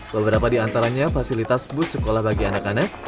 beberapa di antaranya fasilitas bus sekolah bagi anak anak